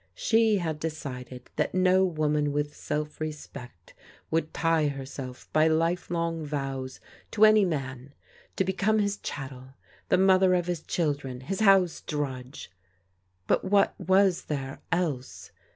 She had decided that no woman with self respect would tie herself, by lifelong vows, to any man, to become his chattel, the mother of his children, his house drudge. But what was there, else?